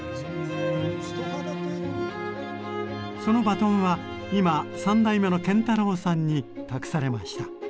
そのバトンは今三代目の建太郎さんに託されました。